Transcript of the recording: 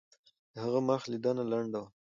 د هغه مخ لیدنه لنډه وه.